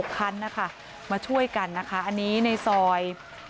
คันนะคะมาช่วยกันนะคะอันนี้ในซอย